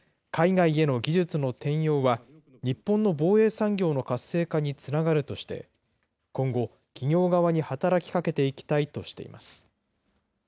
また、海外への技術の転用は日本の防衛産業の活性化につながるとして、今後、企業側に働きかけていきたいとしています。